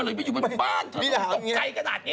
อยู่บ้านเธอตกใจขนาดนี้